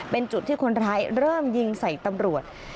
เป็นจุดที่คนร้ายเริ่มยิงใส่ตำรวจ